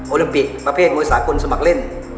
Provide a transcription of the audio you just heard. ลิมปิกประเภทมวยสากลสมัครเล่น